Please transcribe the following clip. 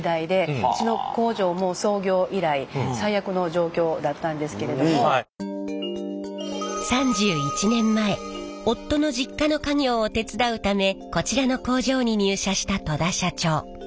私が３代目なんですけれども３１年前夫の実家の家業を手伝うためこちらの工場に入社した戸田社長。